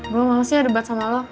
gue males ya debat sama lo